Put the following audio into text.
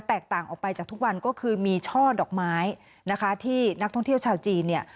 แตกต่างออกไปจากทุกวันก็คือมีช่อดอกไม้นะคะที่นักท่องเที่ยวชาวจีนเนี่ย